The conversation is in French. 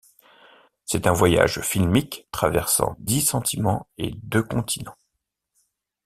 C'est un voyage filmique traversant dix sentiments et deux continents.